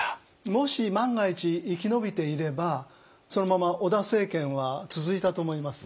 もし万が一生き延びていればそのまま織田政権は続いたと思います。